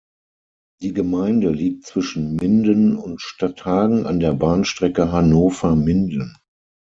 Die Gemeinde liegt zwischen Minden und Stadthagen an der Bahnstrecke Hannover–Minden.